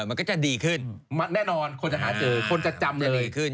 มันก็จะดีขึ้นแน่นอนคนจะหาเจอคนจะจำจะดีขึ้น